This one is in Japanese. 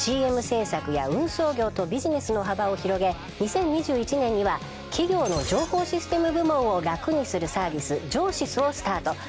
ＣＭ制作や運送業とビジネスの幅を広げ２０２１年には企業の情報システム部門を楽にするサービス「ジョーシス」をスタート